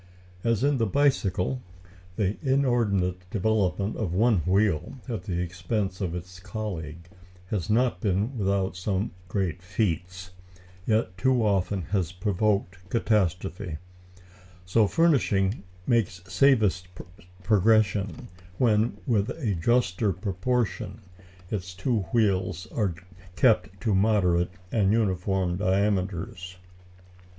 As in the bicycle, the inordinate development of one wheel at the expense of its colleague has been not without some great feats, yet too often has provoked catastrophe; so furnishing makes safest progression when, with a juster proportion, its two wheels are kept to moderate and uniform diameters.